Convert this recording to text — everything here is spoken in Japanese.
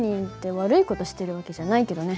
悪い事してる訳じゃないけどね。